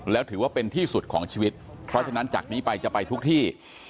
แล้วถือว่าเป็นที่สุดของชีวิตเพราะฉะนั้นจากนี้ไปจะไปทุกที่